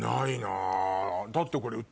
だってこれ。